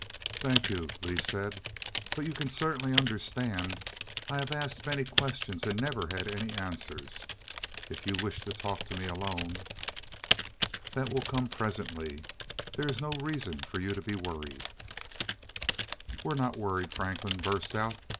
"Thank you," Lee said. "But you can certainly understand I have asked many questions and never had any answers. If you wish to talk to me alone " "That will come presently. There is no reason for you to be worried " "We're not worried," Franklin burst out.